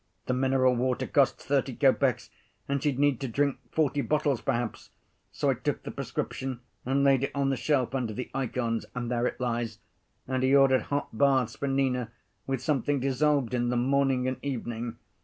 The mineral water costs thirty copecks, and she'd need to drink forty bottles perhaps; so I took the prescription and laid it on the shelf under the ikons, and there it lies. And he ordered hot baths for Nina with something dissolved in them, morning and evening.